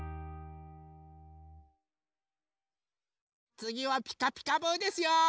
つぎは「ピカピカブ！」ですよ。